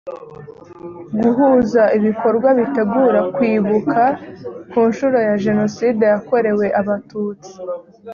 guhuza ibikorwa bitegura kwibuka ku nshuro ya jenoside yakorewe abatutsi